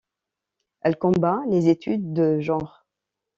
Elle combat les études de genre.